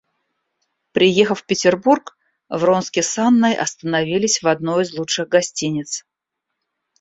Приехав в Петербург, Вронский с Анной остановились в одной из лучших гостиниц.